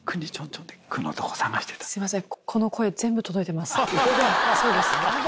すいません。